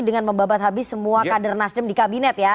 dengan membabat habis semua kader nasdem di kabinet ya